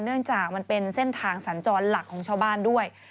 เนื่องจากมันเป็นเส้นทางสัญจรหลักของชาวบ้านด้วย